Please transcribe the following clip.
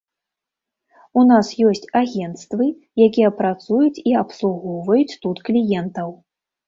У нас ёсць агенцтвы, якія працуюць і абслугоўваюць тут кліентаў.